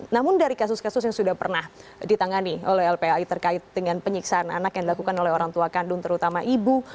namun dari kasus kasus yang sudah pernah ditangani oleh lpai terkait dengan penyiksaan anak yang dilakukan oleh orang tua kandung terutama ibu